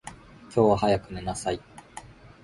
今日は早く寝なさい。